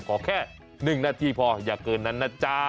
ขอแค่๑นาทีพออย่าเกินนั้นนะจ๊ะ